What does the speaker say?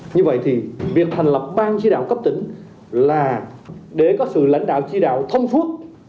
như vậy thì việc thành lập ban chỉ đạo cấp tỉnh là để có sự lãnh đạo chỉ đạo thông suốt